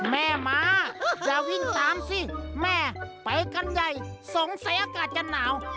แม่ม้าอย่าวิ่งตามสิแม่ไปกันใหญ่สงสัยอากาศจะหนาว